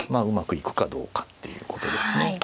うまくいくかどうかっていうことですね。